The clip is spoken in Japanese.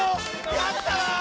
やったわ！